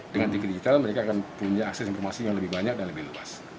dengan tv digital mereka akan punya akses informasi yang lebih banyak dan lebih luas